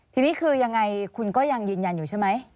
ทีนี้คือยังไงคุณก็ยังยืนยันอยู่ใช่ไหม